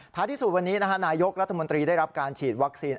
ที่สุดวันนี้นายกรัฐมนตรีได้รับการฉีดวัคซีน